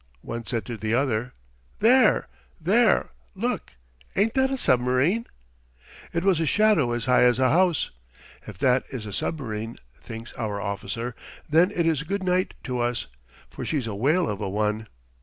One said to the other: "There, there look! Ain't that a submarine?" It was a shadow as high as a house. "If that is a submarine," thinks our officer, "then it is good night to us, for she's a whale of a one!"